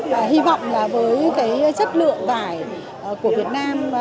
và hy vọng là với cái chất lượng vải của việt nam